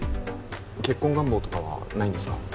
結婚願望とかはないんですか？